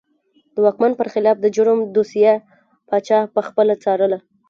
د واکمن پر خلاف د جرم دوسیه پاچا پخپله څارله.